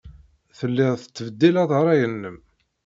Telliḍ tettbeddileḍ ṛṛay-nnem.